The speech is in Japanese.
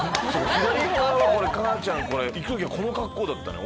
左側は母ちゃん行く時はこの格好だったのよ。